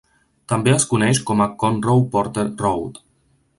També es coneix com a Conroe Porter Road.